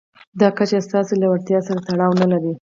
دا کچه ستاسې له وړتیاوو سره تړاو نه لري.